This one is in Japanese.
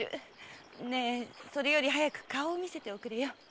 ねえそれより早く顔を見せておくれよ。